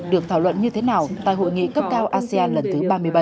được thảo luận như thế nào tại hội nghị cấp cao asean lần thứ ba mươi bảy